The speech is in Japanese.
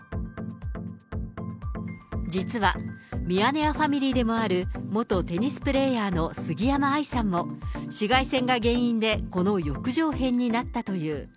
実は、ミヤネ屋ファミリーでもある元テニスプレーヤーの杉山愛さんも、紫外線が原因で、この翼状片になったという。